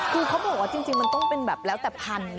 คือเขาบอกว่าจริงมันต้องเป็นแบบแล้วแต่พันธุ์